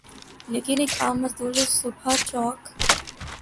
لیکن ایک عام مزدور جو صبح چوک